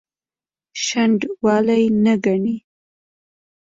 شنډوالي نه ګڼي.